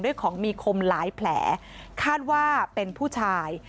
ของมีคมหลายแผลคาดว่าเป็นผู้ชาย